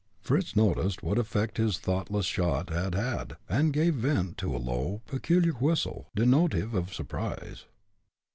Fritz noticed what effect his thoughtless shot had had, and gave vent to a low, peculiar whistle, denotive of surprise.